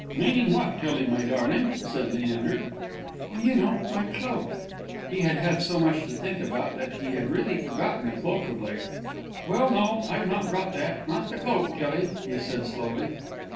"Meaning what, Tillie, my darling?" said Leander. "Oh, you know my cloak!" He had had so much to think about that he had really forgotten the cloak of late. "Well, no, I've not brought that not the cloak, Tillie," he said slowly.